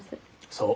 そう。